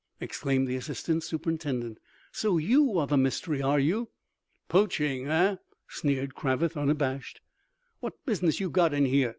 exclaimed the assistant superintendent. "So, you are the mystery, are you?" "Poaching, eh?" sneered Cravath unabashed. "What business you got in here?"